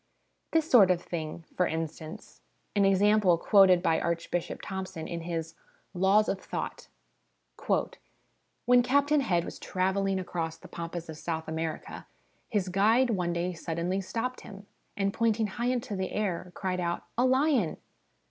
This sort of thing, for instance, an example quoted by Archbishop Thompson in his Laws of Thought 1 : "When Captain Head was travelling across the pampas of South America, his guide one day suddenly stopped him, and pointing high into the air, cried out ' A lion